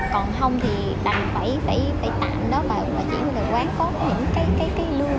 còn hông thì đành phải tạm đó ủa chỉ đến quán có những cái